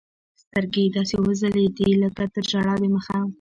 سترګې يې داسې وځلېدې لكه تر ژړا د مخه.